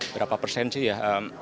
berapa persen sih ya